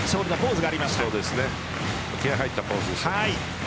気合いが入ったポーズでした。